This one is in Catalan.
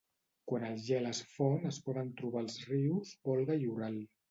Quan el gel es fon es poden trobar als rius Volga i Ural.